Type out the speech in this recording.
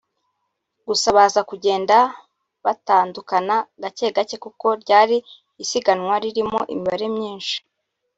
gusa baza kugenda batandukana gake gake kuko ryari isiganwa ririmo imibare myinshi